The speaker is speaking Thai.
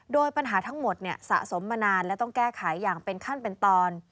โดยปัญหาทั้งหมดสะสมมานานและต้องแก้ไขอย่างเป็นขั้นเป็นตอน